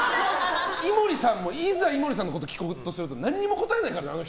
井森さんも、いざ井森さんのこと聞こうとすると何も答えないからね、あの人。